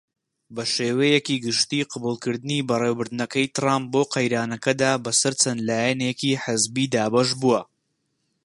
بەشێوەیەکی گشتی قبوڵکردنی بەڕێوبردنەکەی تڕامپ بۆ قەیرانەکەدا بە سەر چەند لایەنێکی حزبی دابەش بووە.